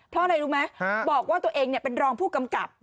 เพราะอะไรรู้ไหมบอกว่าตัวเองเป็นรองผู้กำกับ